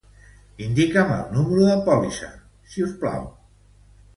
Indica'm el número de pòlissa, si us plau.